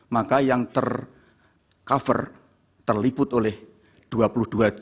maka yang ter cover terliput oleh dua puluh dua juta kepala miskin